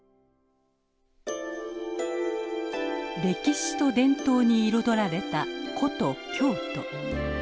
歴史と伝統に彩られた古都京都。